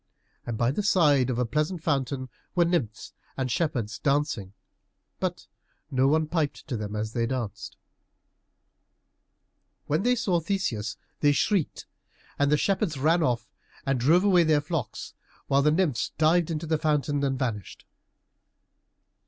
And by the side of a pleasant fountain were nymphs and shepherds dancing, but no one piped to them as they danced. [Illustration: THEY LEAPT ACROSS THE POOL AND CAME TO HIM.] When they saw Theseus they shrieked, and the shepherds ran off and drove away their flocks, while the nymphs dived into the fountain and vanished.